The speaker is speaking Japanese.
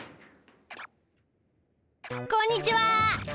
こんにちは。